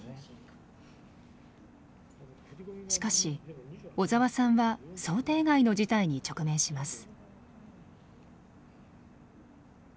しかし小沢さんは想定外の事態に直面します。